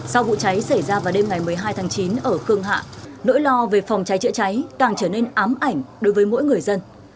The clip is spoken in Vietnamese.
sau vụ cháy xảy ra vào đêm ngày một mươi hai tháng chín ở cương hạ nỗi lo về phòng cháy chữa cháy càng trở nên ám ảnh đối với mỗi người dân